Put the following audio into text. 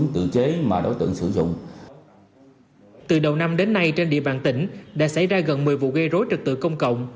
từ đầu năm đến nay trên địa bàn tỉnh đã xảy ra gần một mươi vụ gây rối trật tự công cộng